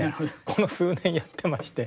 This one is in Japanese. この数年やってまして。